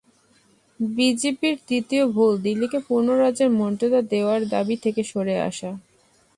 বিজেপির তৃতীয় ভুল, দিল্লিকে পূর্ণ রাজ্যের মর্যাদা দেওয়ার দাবি থেকে সরে আসা।